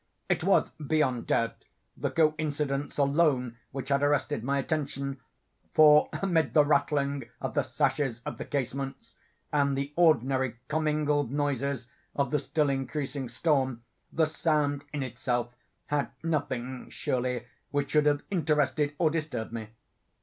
It was, beyond doubt, the coincidence alone which had arrested my attention; for, amid the rattling of the sashes of the casements, and the ordinary commingled noises of the still increasing storm, the sound, in itself, had nothing, surely, which should have interested or disturbed me.